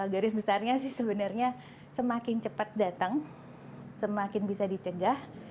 garis besarnya sih sebenarnya semakin cepat datang semakin bisa dicegah